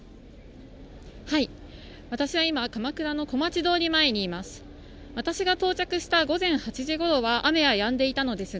私は今鎌倉の小町通り前にいます